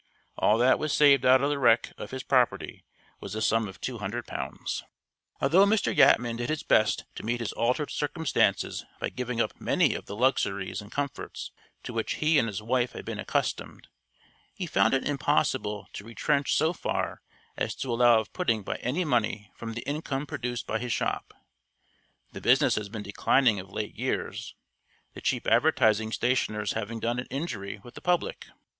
All that was saved out of the wreck of his property was the sum of two hundred pounds. Although Mr. Yatman did his best to meet his altered circumstances, by giving up many of the luxuries and comforts to which he and his wife had been accustomed, he found it impossible to retrench so far as to allow of putting by any money from the income produced by his shop. The business has been declining of late years, the cheap advertising stationers having done it injury with the public.